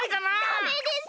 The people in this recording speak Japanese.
ダメです！